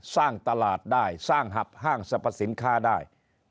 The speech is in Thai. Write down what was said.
สร้างตลาดได้สร้างหับห้างสรรพสินค้าได้